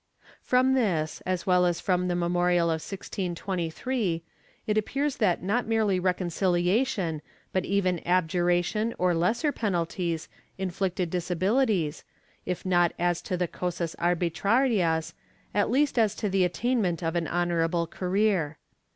^ From this, as well as from the memorial of 1623, it appears that not merely reconciliation but even abjuration or lesser penalties inflicted disabilities, if not as to the cosas arbitrarias at least as to the attainment of an honorable career.